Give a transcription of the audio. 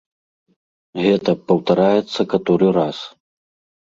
Гэта паўтараецца каторы раз.